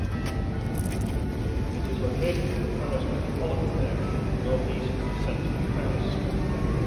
It is located in the Paris Metropolitan Area, northeast of the center of Paris.